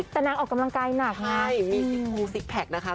แต่นักออกกำลังกายหนักใช่มีคุ้มสิกแพคนะคะ